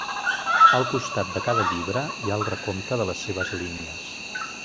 Al costat de cada llibre hi ha el recompte de les seves línies.